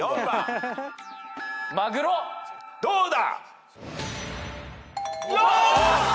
どうだ！